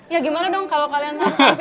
ya gimana dong kalau kalian mau tampil